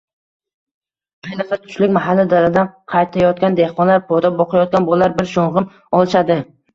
Ayniqsa, tushlik mahali daladan qaytayotgan dehqonlar, poda boqayotgan bolalar bir sho`ng`ib olishadi